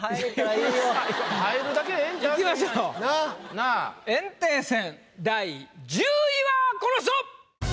いきましょう炎帝戦第１０位はこの人！